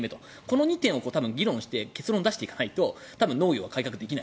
この２点を議論して結論を出していかないと農業は改革できない。